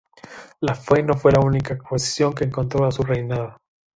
La Fe no fue la única oposición que encontró a su reinado.